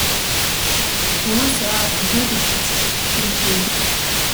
Төвөөс яваа төлөөлөгчид ч тэгж хэлдэг л юм.